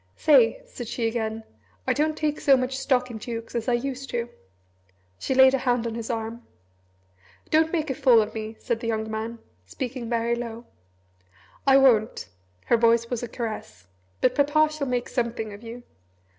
"Say," said she again, "I don't take so much stock in dukes as I used to." She laid a hand on his arm. "Don't make a fool of me," said the young man, speaking very low. "I won't," her voice was a caress, "but Papa shall make Something of you.